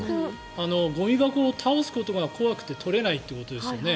ゴミ箱を倒すことが怖くて取れないということですよね。